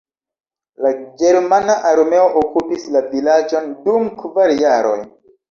La ĝermana armeo okupis la vilaĝon dum kvar jaroj.